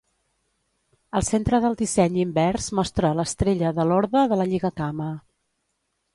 El centre del disseny invers mostra l'estrella de l'Orde de la Lligacama.